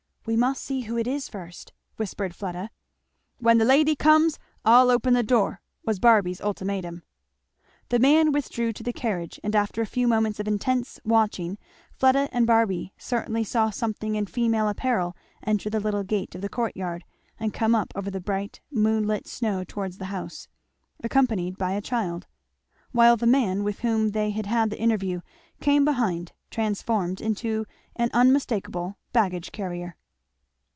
"We must see who it is first," whispered Fleda. "When the lady comes I'll open the door," was Barby's ultimatum. The man withdrew to the carriage; and after a few moments of intense watching Fleda and Barby certainly saw something in female apparel enter the little gate of the court yard and come up over the bright moonlit snow towards the house, accompanied by a child; while the man with whom they had had the interview came behind transformed into an unmistakeable baggage carrier.